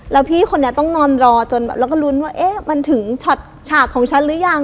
แล้วพี่คนนี้ต้องนอนรอจนแบบแล้วก็ลุ้นว่าเอ๊ะมันถึงช็อตฉากของฉันหรือยัง